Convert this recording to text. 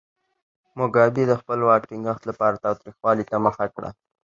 موګابي د خپل واک ټینګښت لپاره تاوتریخوالي ته مخه کړه.